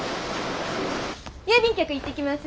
郵便局行ってきます。